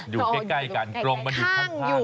ดูใกล้กันตรงมาดูข้างกัน